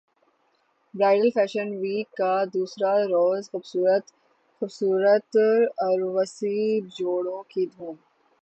bridal fashion week کا دوسرا روز خوبصورت عروسی جوڑوں کی دھوم